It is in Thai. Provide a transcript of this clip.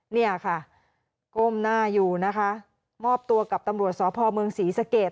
เนี่ยค่ะก้มหน้าอยู่นะคะมอบตัวกับตำรวจสพเมืองศรีสะเกด